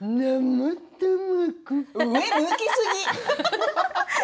むきすぎ。